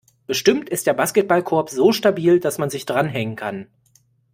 Bestimmt ist der Basketballkorb so stabil, dass man sich dranhängen kann.